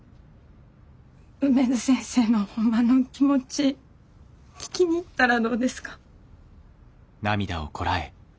梅津先生のホンマの気持ち聞きに行ったらどうですか？